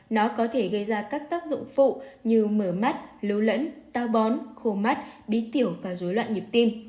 nó có thể gây ra các tác dụng phụ như mở mắt lưu lẫn tao bón khô mắt bí tiểu và dối loạn nhịp tim